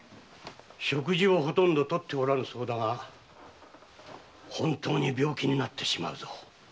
食事をほとんど摂っておらぬそうだが本当に病気になるぞ。